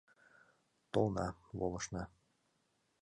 Толна, волышна.